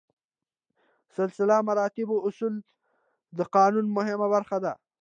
سلسله مراتبو اصل د قانون مهمه برخه ده.